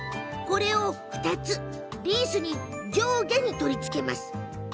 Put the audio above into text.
これを２つ、リースの上下に取り付けます。